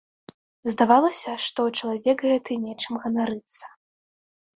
Здавалася, што чалавек гэты нечым ганарыцца.